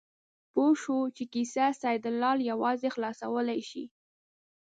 پوه شو چې کیسه سیدلال یوازې خلاصولی شي.